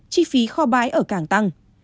chi phí kho bái ở càng tăng